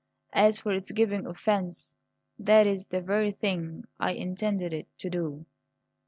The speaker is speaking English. As for its giving offence, that is the very thing I intended it to do."